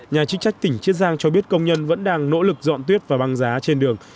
nhà chức trách tỉnh chiết giang cho biết công nhân vẫn đang nỗ lực dọn tuyết và băng giá trên đường